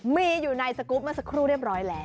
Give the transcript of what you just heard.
มีอยู่ในสกุลนี้มาสักครู่เรียบร้อยแล้ว